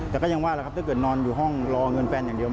แต่ก็ยังว่าแหละครับถ้าเกิดนอนอยู่ห้องรอเงินแฟนอย่างเดียว